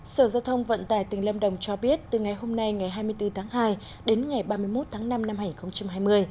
sở giao thông vận tài tỉnh lâm đồng cho biết từ ngày hôm nay ngày hai mươi bốn tháng hai đến ngày ba mươi một tháng năm năm hai nghìn hai mươi